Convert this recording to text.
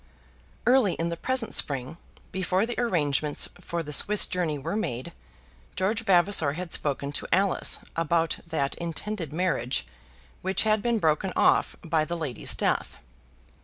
Early in the present spring, before the arrangements for the Swiss journey were made, George Vavasor had spoken to Alice about that intended marriage which had been broken off by the lady's death.